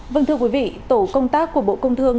vâng thưa quý vị tổ công tác của bộ công thương